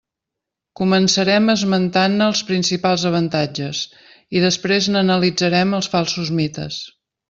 Començarem esmentant-ne els principals avantatges i després n'analitzarem els falsos mites.